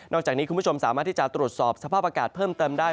จากนี้คุณผู้ชมสามารถที่จะตรวจสอบสภาพอากาศเพิ่มเติมได้